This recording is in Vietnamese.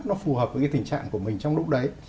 nó phù hợp với cái tình trạng của mình trong lúc đấy